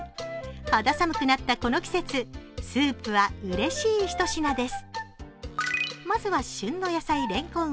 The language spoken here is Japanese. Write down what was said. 肌寒くなったこの季節、スープはうれしい一品です。